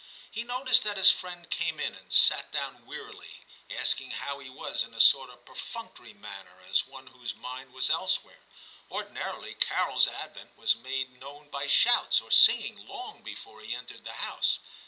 He noticed that his friend came in and sat down wearily, asking how he was in a sort of perfunctory manner, as one whose mind was elsewhere. (Ordinarily Carol's advent was made known by shouts or sing ing long before he entered the house.)